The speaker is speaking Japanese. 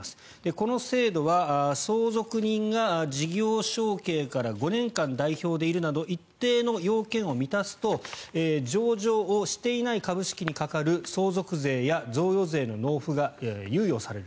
この制度は相続人が事業承継から５年間代表でいるなど一定の要件を満たすと上場をしていない株式にかかる相続税や贈与税の納付が猶予される。